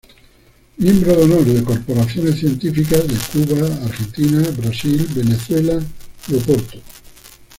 Miembro de honor de corporaciones científicas de Cuba, Argentina, Brasil, Venezuela y Oporto.